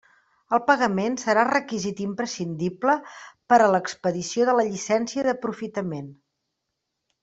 El pagament serà requisit imprescindible per a l'expedició de la llicència d'aprofitament.